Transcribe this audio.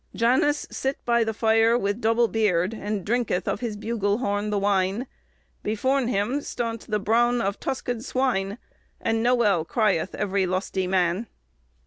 "Janus sit by the fuyr with double berd, And drynketh of his bugle horn the wyn; Biforn him stont the braun of toskid swyn, And nowel crieth every lusty man."